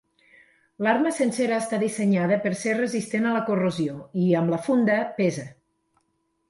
L'arma sencera està dissenyada per ser resistent a la corrosió i, amb la funda, pesa.